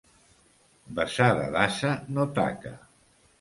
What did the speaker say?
Besada d'ase no taca.